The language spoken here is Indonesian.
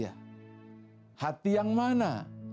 hati yang hilang adalah hati yang hilang